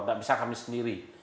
tidak bisa kami sendiri